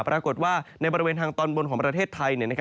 ปรากฏว่าในบริเวณทางตอนบนของประเทศไทย